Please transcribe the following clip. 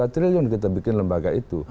dua puluh dua triliun kita bikin lembaga itu